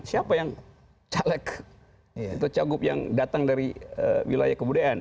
siapa yang caleg atau cagup yang datang dari wilayah kebudayaan